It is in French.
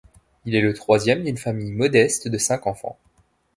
Il est le troisième d'une famille modeste de cinq enfants.